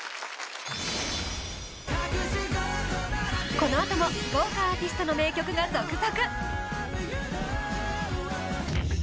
この後も豪華アーティストの名曲が続々。